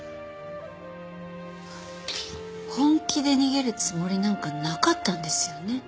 本気で逃げるつもりなんかなかったんですよね？